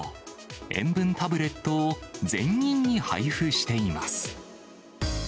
塩分タブレットを全員に配布しています。